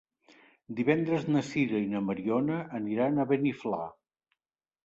Divendres na Sira i na Mariona aniran a Beniflà.